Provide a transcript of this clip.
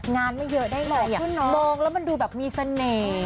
ไม่เยอะได้เลยมองแล้วมันดูแบบมีเสน่ห์